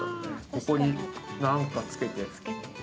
ここになんかつけて。